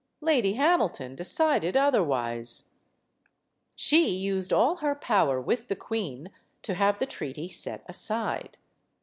Lady Hamilton de cided otherwise. She used all her power with the queen to have the treaty set aside.